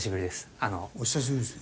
あの。お久しぶりですね。